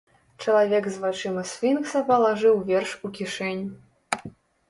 Чалавек з вачыма сфінкса палажыў верш у кішэнь.